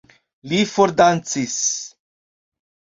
Li fordancis.